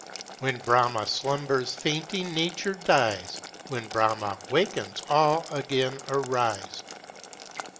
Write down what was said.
When BRAHMÁ slumbers fainting Nature dies, When BRAHMÁ wakens all again arise.